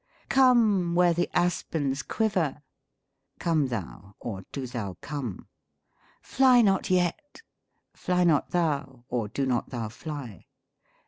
"Come where the aspens quiver," "come thou, or do thou come." "Fly not yet;" "fly not thou, or do not thou fly."